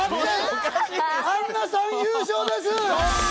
アンナさん優勝です。